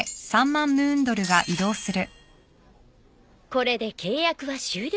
これで契約は終了。